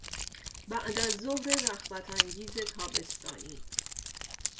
بعد از ظهر رخوتانگیز تابستانی